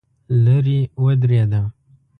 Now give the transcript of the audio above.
لرې ودرېده.